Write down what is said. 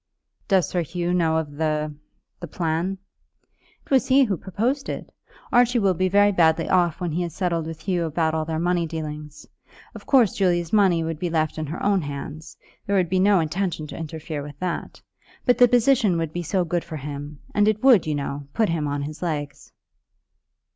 "Does Sir Hugh know of the, the plan?" "It was he who proposed it. Archie will be very badly off when he has settled with Hugh about all their money dealings. Of course Julia's money would be left in her own hands; there would be no intention to interfere with that. But the position would be so good for him; and it would, you know, put him on his legs."